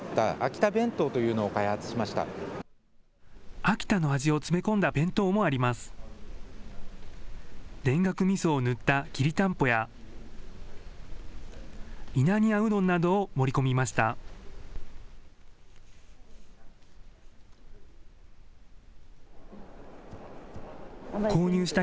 田楽みそを塗ったきりたんぽや、稲庭うどんなどを盛り込みました。